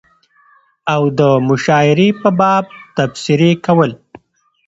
او دمشاعرې په باب تبصرې کول